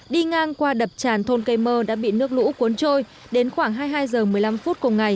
đi ngang qua đập tràn thôn cây mơ đã bị nước lũ cuốn trôi đến khoảng hai mươi hai h một mươi năm phút cùng ngày